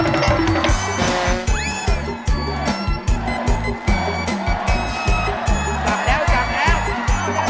กลับแล้วกลับแล้ว